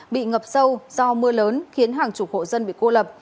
bị ngập sâu do mưa lớn khiến hàng chục hộ dân bị cô lập